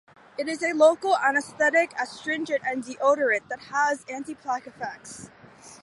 It is a local anesthetic, astringent and deodorant and has antiplaque effects.